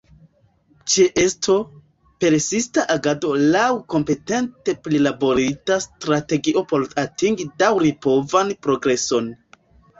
Ĉeesto, persista agado laŭ kompetente prilaborita strategio por atingi daŭripovan progreson.